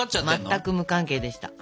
全く無関係でした。